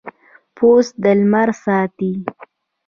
پوست د لمر ساتي.